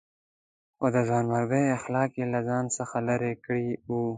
خو د ځوانمردۍ اخلاق یې له ځان څخه لرې کړي وو.